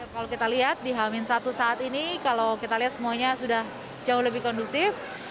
kalau kita lihat di hamin satu saat ini kalau kita lihat semuanya sudah jauh lebih kondusif